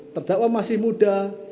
terdakwa masih muda